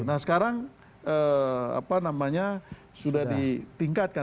nah sekarang apa namanya sudah ditingkatkan